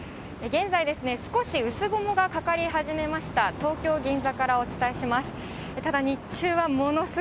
現在ですね、少し薄雲がかかり始めました、東京・銀座からお伝えします。